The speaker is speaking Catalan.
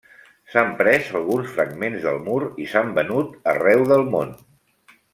S'han pres alguns fragments del mur i s'han venut arreu del món.